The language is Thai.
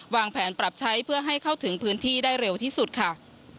วางแผนปรับใช้เพื่อให้เข้าถึงพื้นที่ได้เร็วที่สุดค่ะ